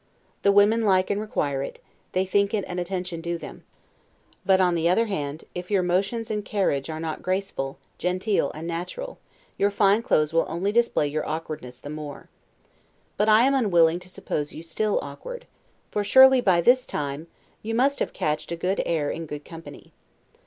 The women like and require it; they think it an attention due to them; but, on the other hand, if your motions and carriage are not graceful, genteel, and natural, your fine clothes will only display your awkwardness the more. But I am unwilling to suppose you still awkward; for surely, by this time, you must have catched a good air in good company.